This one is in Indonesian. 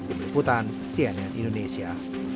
ibu putan cnn indonesia